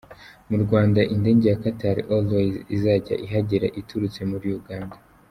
Mu Rwanda, indege ya Qatar Airways izajya ihagera iturutse muri Uganda.